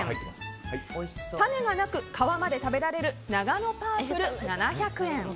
種がなく皮まで食べられるナガノパープル、７００円。